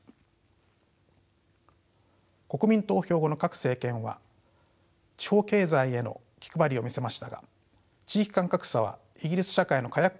国民投票後の各政権は地方経済への気配りを見せましたが地域間格差はイギリス社会の火薬庫のままです。